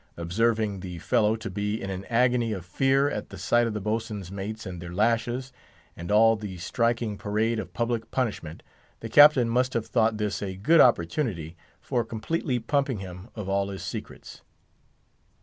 Observing the fellow to be in an agony of fear at the sight of the boatswain's mates and their lashes, and all the striking parade of public punishment, the Captain must have thought this a good opportunity for completely pumping him of all his secrets.